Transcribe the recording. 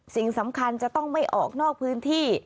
สิ่งสำคัญจะต้องไม่ออกนอกพื้นที่